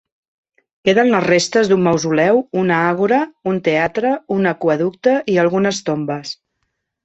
Queden les restes d'un mausoleu, una àgora, un teatre, un aqüeducte i algunes tombes.